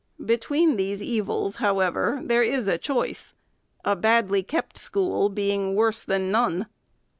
Between these evils, however, there is a choice ;— a badly kept school being worse than none.